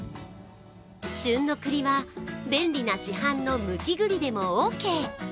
旬の栗は、便利な市販のむき栗でもオーケー。